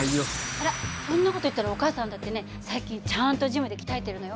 あらそんな事言ったらお母さんだってね最近ちゃんとジムで鍛えてるのよ。